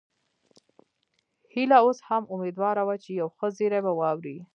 هيله اوس هم اميدواره وه چې یو ښه زیری به واوري